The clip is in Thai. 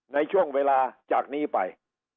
ในช่วงเวลาจากนี้ไป